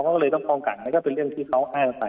และเขาเลยต้องป้องกันก็เป็นเรื่องที่เขาอ้างไป